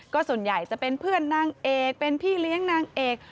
ก็ส่วนใหญ่จะเป็นเพื่อนนางเอกเป็นพี่เลี้ยงนางเอก